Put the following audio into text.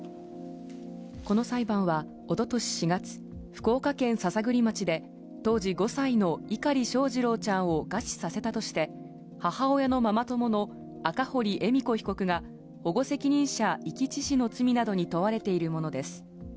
この裁判は、おととし４月、福岡県篠栗町で、当時５歳の碇翔士郎ちゃんを餓死させたとして、母親のママ友の赤堀恵美子被告が保護責任者遺棄致死の罪などに問われているものです。